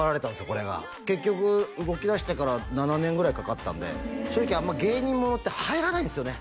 これが結局動きだしてから７年ぐらいかかったんで正直あんま芸人ものって入らないんですよね